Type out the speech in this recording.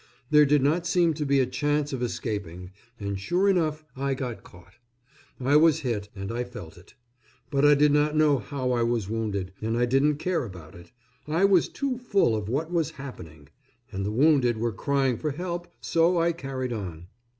There did not seem to be a chance of escaping, and sure enough I got caught. I was hit, and I felt it; but I did not know how I was wounded, and I didn't care about it I was too full of what was happening. And the wounded were crying for help; so I carried on.